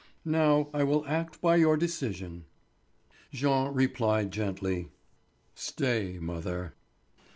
Now, I will act by your decision." Jean replied gently: "Stay, mother."